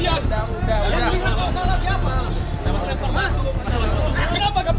jangan jangan jangan